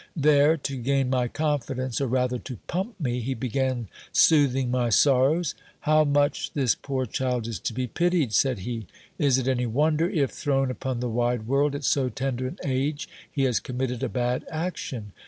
There, to gain my confidence, or rather to pump me, he began soothing my sorrows. How much this poor child is to be pitied ! said he. Is it any wonder if, thrown upon the wide world at so tender an age, he has committed a bad action